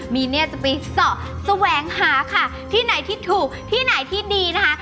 มีเนี่ยจะไปเจาะแสวงหาค่ะที่ไหนที่ถูกที่ไหนที่ดีนะคะ